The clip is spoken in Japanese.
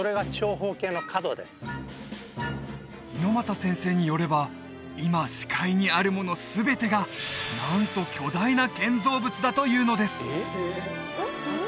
猪俣先生によれば今視界にあるもの全てがなんと巨大な建造物だというのです！